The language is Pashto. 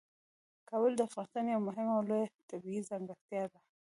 کابل د افغانستان یوه مهمه او لویه طبیعي ځانګړتیا ده.